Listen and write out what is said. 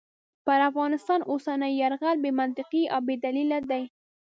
پر افغانستان اوسنی یرغل بې منطقې او بې دلیله دی.